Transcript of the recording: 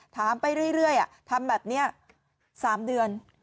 ถามไปเรื่อยทำแบบนี้๓เดือน